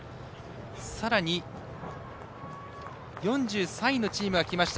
さらに、４３位のチームが来ました。